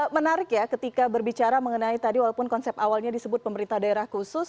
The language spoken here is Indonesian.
menarik ya ketika berbicara mengenai tadi walaupun konsep awalnya disebut pemerintah daerah khusus